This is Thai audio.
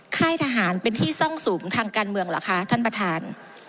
ค่ายทหารเป็นที่ซ่องสุมทางการเมืองเหรอคะท่านประธาน